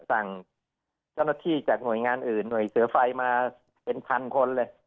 สั่งเจ้าหน้าที่จากหน่วยงานอื่นหน่วยเสือไฟมาเป็นพันคนเลย